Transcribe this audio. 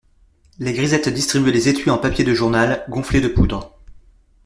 Les grisettes distribuaient les étuis en papier de journal, gonflés de poudre.